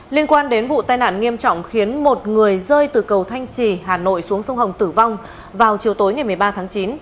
liên quan đến vụ tai nạn nghiêm trọng khiến một người rơi từ cầu thanh trì hà nội xuống sông hồng tử vong vào chiều tối ngày một mươi ba tháng chín